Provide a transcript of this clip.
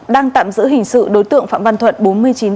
đang tạm giữ hình sự đối tượng phạm văn thuận